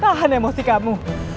tahan emosi kamu